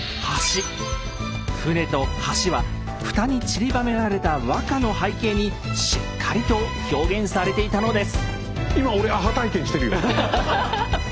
「舟」と「橋」は蓋にちりばめられた和歌の背景にしっかりと表現されていたのです。